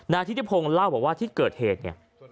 นายทิติพงเล่าว่าที่เกิดเหตุเนี่ย